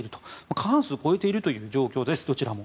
過半数を超えている状況ですどちらも。